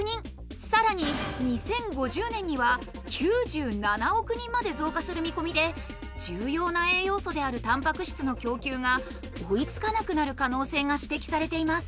さらに２０５０年には９７億人まで増加する見込みで重要な栄養素であるタンパク質の供給が追いつかなくなる可能性が指摘されています。